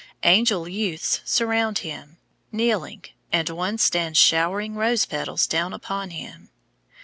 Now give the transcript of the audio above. Angel youths surround him, kneeling, and one stands showering rose petals down upon him.